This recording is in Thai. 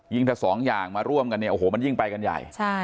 ถ้าสองอย่างมาร่วมกันเนี่ยโอ้โหมันยิ่งไปกันใหญ่